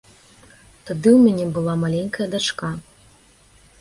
Тады ў мяне была маленькая дачка.